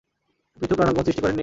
পৃথক রণাঙ্গন সৃষ্টি করেননি।